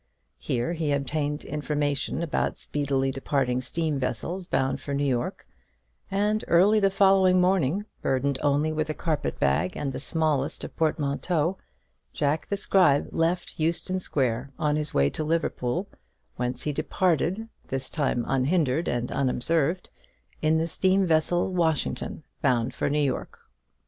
Here he obtained all information about speedily departing steam vessels bound for New York; and early the following morning, burdened only with a carpet bag and the smallest of portmanteaus, Jack the Scribe left Euston Square on his way to Liverpool, whence he departed, this time unhindered and unobserved, in the steam vessel Washington bound for New York.